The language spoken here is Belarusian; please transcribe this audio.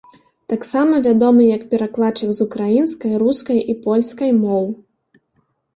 Таксама вядомы як перакладчык з украінскай, рускай і польскай моў.